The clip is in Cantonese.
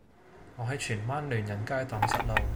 我喺荃灣聯仁街盪失路